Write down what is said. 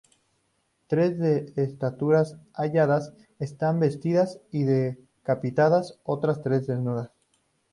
Tres de la estatuas halladas están vestidas y decapitadas, otras tres desnudas.